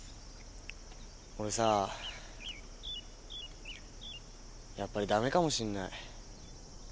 俺さやっぱりダメかもしんない。